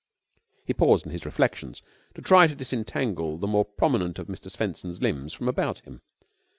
He paused in his reflections to try to disentangle the more prominent of Mr. Swenson's limbs from about him.